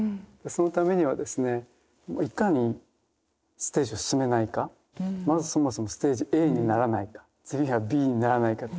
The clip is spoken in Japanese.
そのためにはですねいかにステージを進めないかまずそもそもステージＡにならないか次はＢにならないか。